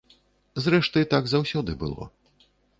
Зрэшты, так заўсёды было.